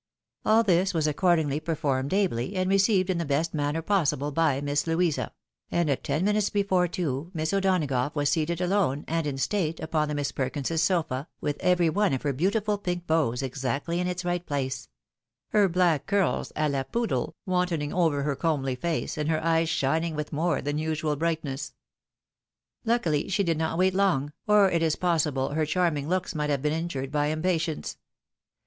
All this was accordingly performed ably, and received in the 240 THE WIDOW MARRIED. best manner possible by Miss Louisa ; and at ten minutes be fore two, Miss O'Donagougk was seated alone, and in state, upon the Miss Perkinses' sofe, with every one of her beautiful pink bows exactly in its right place ; her black curls, a la poodle, wantoning over her comely face, and her eyes shining with more than usual brightness. Luckily she did not wait long, or it is possible her charming looks might have been injured by impatience.